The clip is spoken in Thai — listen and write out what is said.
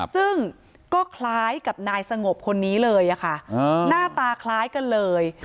ซึ่งก็คล้ายกับนายสงบคนนี้เลยค่ะหน้าตาคล้ายกันเลย